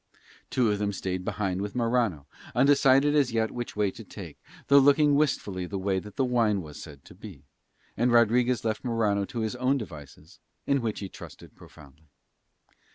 Two of them stayed behind with Morano, undecided as yet which way to take, though looking wistfully the way that that wine was said to be; and Rodriguez left Morano to his own devices, in which he trusted profoundly.